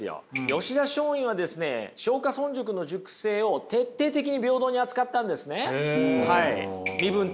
吉田松陰はですね松下村塾の塾生を徹底的に平等に扱ったんですね。